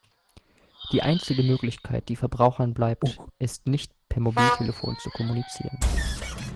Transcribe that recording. Die einzige Möglichkeit, die Verbrauchern bleibt, ist nicht per Mobiltelefon zu kommunizieren.